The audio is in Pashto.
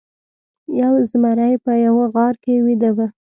یو زمری په یوه غار کې ویده و.